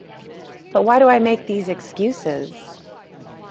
But why do I make these excuses?